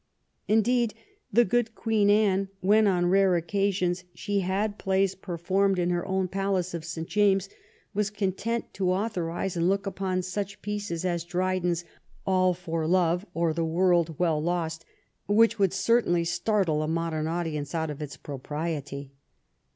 Indeed, the good Queen Anne, when, on rare occasions, she had plays performed 195 THE REIGN OF QUEEN ANNE in her own Palace of St. James, was content to author ize and look upon such pieces as Dryden's "All for Love, or the World well Lost," which would certainly startle a modem audience out of its propriety.